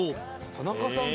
「田中さん